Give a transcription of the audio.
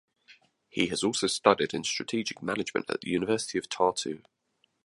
He has also studied in strategic management at University of Tartu.